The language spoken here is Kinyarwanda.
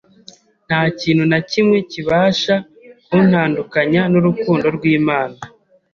Nta kintu na kimwe kibasha kuntandukanya n’urukundo rw’Imana